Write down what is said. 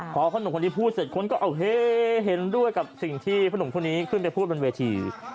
พอพ่อหนุ่มคนนี้พูดเสร็จคนก็โอเคเห็นด้วยกับสิ่งที่พ่อหนุ่มคนนี้ขึ้นไปพูดบนเวที